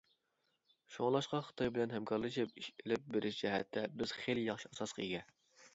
شۇڭلاشقا خىتاي بىلەن ھەمكارلىشىپ ئىش ئېلىپ بېرىش جەھەتتە بىز خېلى ياخشى ئاساسقا ئىگە.